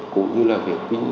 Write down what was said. cũng như là việc